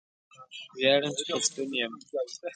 ویاړم چې پښتون یم